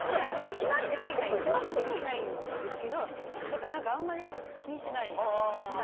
決まってはいないんですけどだから、何かあんまり気にしてないです。